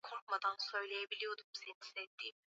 ya ukweli kwamba waliunganisha Mashariki na Magharibi